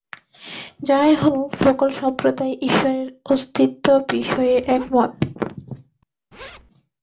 যাহাই হউক, সকল সম্প্রদায়ই ঈশ্বরের অস্তিত্ব-বিষয়ে একমত।